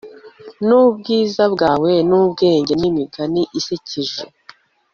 Nubwiza bwawe nubwenge nimigani isekeje